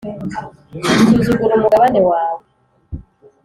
isuzugura umugabane wawe,